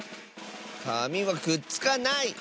かみはくっつかない！